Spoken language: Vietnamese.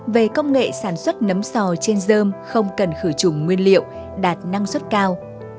về công nghệ sản xuất nấm sò trên dơm không cần khử trùng nguyên liệu đạt năng suất cao